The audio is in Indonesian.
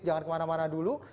jangan kemana mana dulu